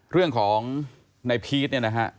เรื่องของในพีชเนี่ยนะฮะ